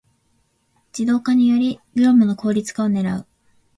ⅱ 自動化により業務の効率化を狙う